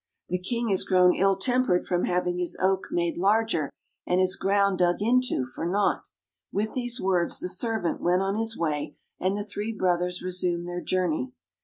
The King has grown ill tempered from having his oak made larger, and his ground dug into for naught." With these words the servant went on his way, and the three brothers resumed their journey.